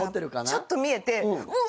ちょっと見えてうわっ！